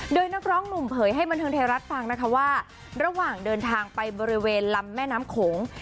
โดยนักร้องหนุ่มเผยให้บันเทิงไทยรัฐฟังนะคะว่าระหว่างเดินทางไปบริเวณลำแม่น้ำโขง